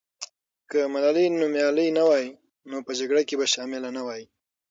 که ملالۍ نومیالۍ نه وای، نو په جګړه کې به شامله نه وای.